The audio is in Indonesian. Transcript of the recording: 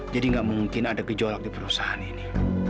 jadi nggak mungkin ada gejolak di perusahaan ini